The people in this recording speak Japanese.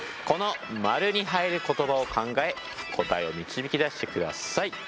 この丸に入る言葉を考え答えを導き出してください。